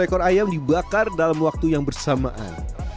empat puluh ekor ayam dibakar dalam waktu yang bersamaan